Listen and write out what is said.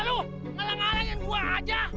malah malahin gua aja